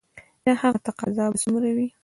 د هغه تقاضا به څومره وي؟